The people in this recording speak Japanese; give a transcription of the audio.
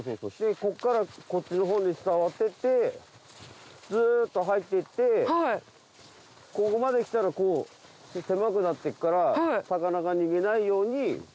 こっからこっちの方に伝わってってずっと入っていってここまで来たらこう狭くなってっから。